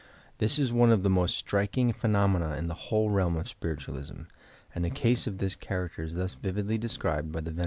This is one of the most striking phenomena in the wliole realm of spiritualism, and a case of this character is thus vividly described by the Ven.